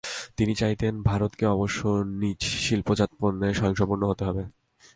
তিনি চাইতেন, ভারতকে অবশ্যই নিজ শিল্পজাত পণ্যে স্বয়ংসম্পূর্ণ হতে হবে।